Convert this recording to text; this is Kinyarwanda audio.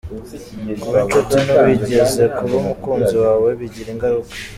Kuba inshuti n’uwigeze kuba umukunzi wawe bigira ingaruka